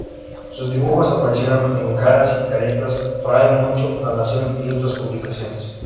Sus dibujos aparecieron en "Caras y Caretas", "Fray Mocho", "La Nación y otras publicaciones.